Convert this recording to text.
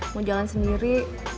mau jalan sendiri